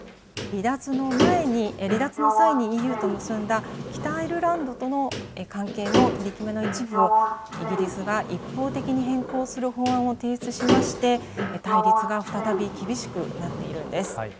離脱の際にＥＵと結んだ北アイルランドとの関係の取り決めの一部を、イギリスが一方的に変更する法案を提出しまして、対立が再び厳しくなっているんです。